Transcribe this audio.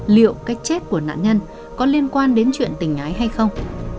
liệu cách chết của nạn nhân có liên quan đến chuyện tình ái hay không